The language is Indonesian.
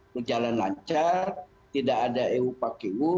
berjalan lancar tidak ada ewu pakewu